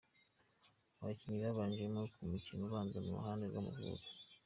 Abakinnyi babanjemo ku mukino ubanza ku ruhande rw' Amavubi.